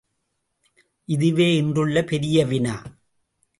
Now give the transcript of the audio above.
இதுவே இன்றுள்ள பெரிய வினா?